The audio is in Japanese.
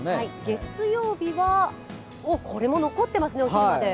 月曜日は、これも残ってますね、お昼まで。